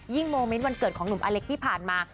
โมเมนต์วันเกิดของหนุ่มอเล็กที่ผ่านมา